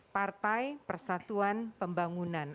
partai persatuan pembangunan